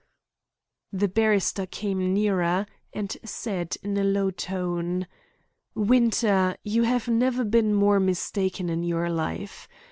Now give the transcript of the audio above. The barrister came nearer, and said, in a low tone: "Winter, you have never been more mistaken in your life.